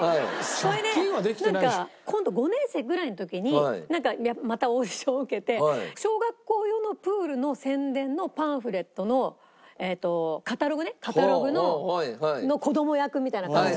それでなんか今度５年生ぐらいの時にまたオーディションを受けて小学校用のプールの宣伝のパンフレットのえっとカタログねカタログの子供役みたいな感じで。